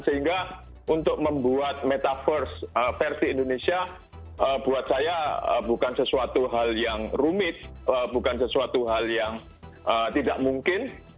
sehingga untuk membuat metaverse versi indonesia buat saya bukan sesuatu hal yang rumit bukan sesuatu hal yang tidak mungkin